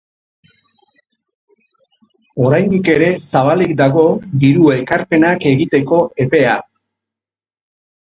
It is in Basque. Oraindik ere zabalik dago diru ekarpenak egiteko epea.